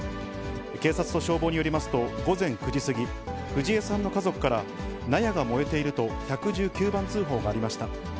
警察と消防によりますと、午前９時過ぎ、藤江さんの家族から、納屋が燃えていると１１９番通報がありました。